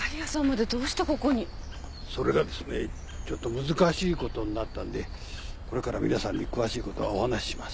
それがですねちょっと難しいことになったんでこれから皆さんに詳しいことはお話しします。